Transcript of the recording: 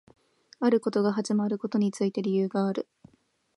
あることが始まることについて理由がある